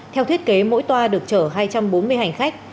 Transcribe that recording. theo thiết kế mỗi toa được chở hai trăm bốn mươi hành khách